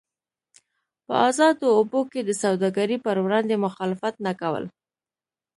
په ازادو اوبو کې د سوداګرۍ پر وړاندې مخالفت نه کول.